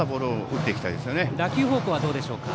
打球方向はどうでしょうか。